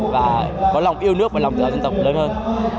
và có lòng yêu nước và lòng tự hào dân tộc lớn hơn